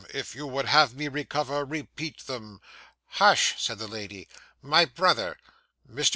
If you would have me recover, repeat them.' Hush!' said the lady. 'My brother.' Mr.